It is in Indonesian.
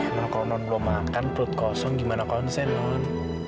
ya kalau non belum makan pelut kosong gimana konsen non